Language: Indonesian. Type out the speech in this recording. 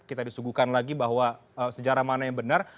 kita disuguhkan lagi bahwa sejarah mana yang benar